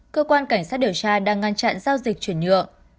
cơ quan cảnh sát điều tra đang ngăn chặn giao dịch chuyển nhượng